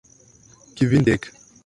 Kvindek!